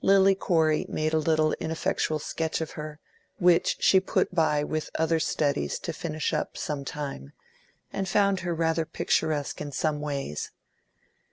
Lily Corey made a little, ineffectual sketch of her, which she put by with other studies to finish up, sometime, and found her rather picturesque in some ways.